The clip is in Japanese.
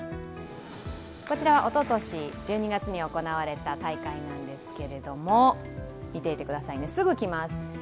こちらはおととし１２月に行われた大会なんですけれども見ていてくださいねすぐ来ます。